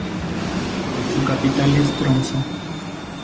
Su capital es Tromsø.